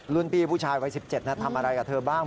พี่ผู้ชายวัย๑๗ทำอะไรกับเธอบ้าง